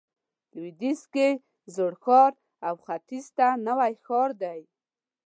لویدیځ کې زوړ ښار او ختیځ ته نوی ښار دی.